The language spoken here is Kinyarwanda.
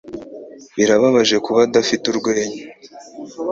Birababaje kuba adafite urwenya.